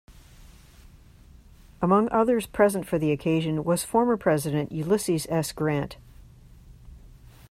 Among others present for the occasion was former President Ulysses S. Grant.